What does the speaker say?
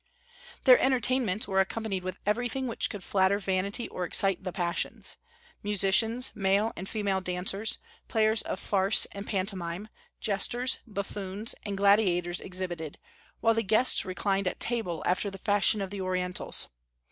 Their entertainments were accompanied with everything which could flatter vanity or excite the passions; musicians, male and female dancers, players of farce and pantomime, jesters, buffoons, and gladiators exhibited, while the guests reclined at table after the fashion of the Orientals.